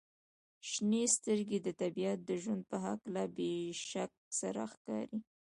• شنې سترګې د طبیعت د ژوند په هکله بې شک سره ښکاري.